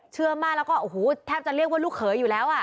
เชื่อมากแล้วก็โอ้โหแทบจะเรียกว่าลูกเขยอยู่แล้วอ่ะ